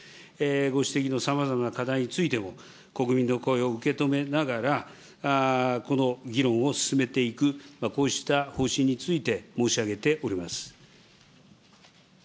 ご指摘のさまざまな課題についても、国民の声を受け止めながら、この議論を進めていく、こうした方針について申し上げております。